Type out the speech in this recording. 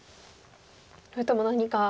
それとも何か。